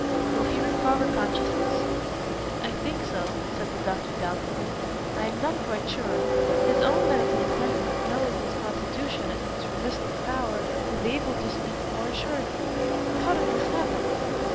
"Will he recover consciousness?" "I think so," said the doctor doubtfully, "I am not quite sure. His own medical attendant, knowing his constitution and its resisting power, will be able to speak more assuredly. How did this happen?"